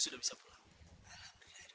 sudah ke wieder